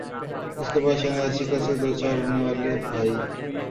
اس کے بعد "شاندار"شکست سے دوچار ہونے والے بھائی